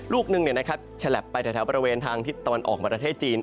ลูกหนึ่งฉลับไปแถวบริเวณทางทิศตะวันออกประเทศจีน